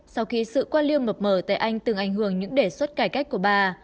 sau khi sự quan liêu mập mở tại anh từng ảnh hưởng những đề xuất cải cách của bà